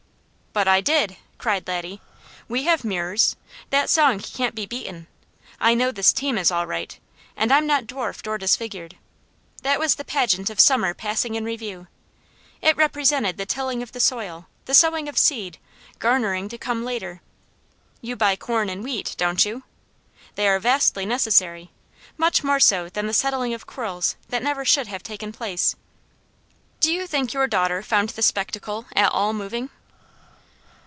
"But I did!" cried Laddie. "We have mirrors. That song can't be beaten. I know this team is all right, and I'm not dwarfed or disfigured. That was the pageant of summer passing in review. It represented the tilling of the soil; the sowing of seed, garnering to come later. You buy corn and wheat, don't you? They are vastly necessary. Much more so than the settling of quarrels that never should have taken place. Do you think your daughter found the spectacle at all moving?"